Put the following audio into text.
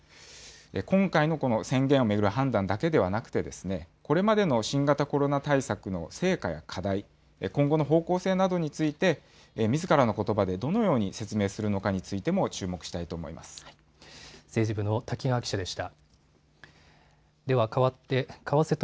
今回のこの宣言を巡る判断だけではなくて、これまでの新型コロナ対策の成果や課題、今後の方向性などについて、みずからのことばでどのように説明するのかについても注目し政治部の瀧川記者でした。